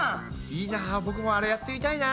いいな僕もあれやってみたいな。